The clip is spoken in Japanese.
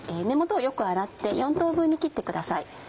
根元をよく洗って４等分に切ってください。